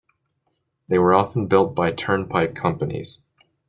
They were often built by turnpike companies.